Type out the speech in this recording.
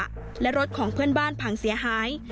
รูปรถกระบะและรถของเพื่อนบ้านผังเสียหาย